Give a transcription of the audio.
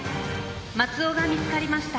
松尾が見つかりました。